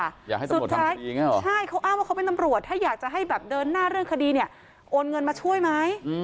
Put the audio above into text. อยากให้ตำรวจจับใช่เขาอ้างว่าเขาเป็นตำรวจถ้าอยากจะให้แบบเดินหน้าเรื่องคดีเนี่ยโอนเงินมาช่วยไหม